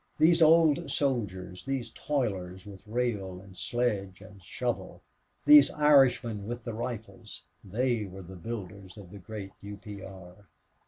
These old soldiers, these toilers with rail and sledge and shovel, these Irishmen with the rifles, they were the builders of the great U. P. R.